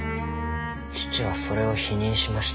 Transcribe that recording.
父はそれを否認しました。